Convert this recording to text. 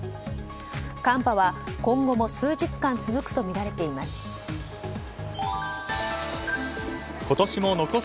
寒波は今後数日間続くとみられています。